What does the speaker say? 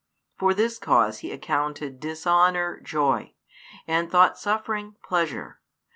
For this cause He accounted dishonour joy, and thought suffering pleasure.